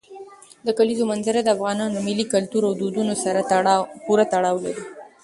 د کلیزو منظره د افغانانو له ملي کلتور او دودونو سره پوره تړاو لري.